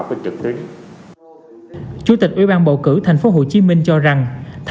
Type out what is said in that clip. phủ khuẩn phổ trang